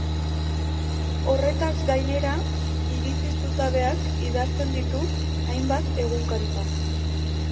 Horretaz gainera, iritzi-zutabeak idazten ditu hainbat egunkaritan.